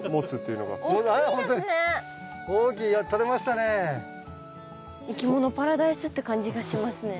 いきものパラダイスって感じがしますね。